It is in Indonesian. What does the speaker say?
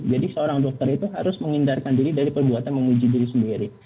jadi seorang dokter itu harus mengindarkan diri dari perbuatan memuji diri sendiri